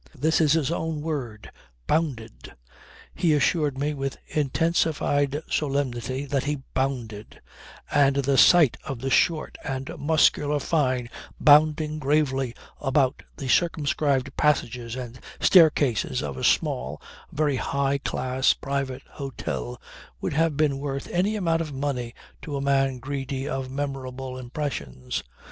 This is his own word. Bounded! He assured me with intensified solemnity that he bounded; and the sight of the short and muscular Fyne bounding gravely about the circumscribed passages and staircases of a small, very high class, private hotel, would have been worth any amount of money to a man greedy of memorable impressions.